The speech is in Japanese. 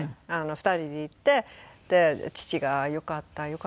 ２人で行って父が「よかったよかったです」